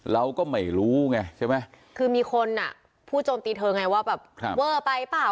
เราก็ไม่รู้ไงใช่ไหมคือมีคนอ่ะพูดโจมตีเธอไงว่าแบบเวอร์ไปเปล่า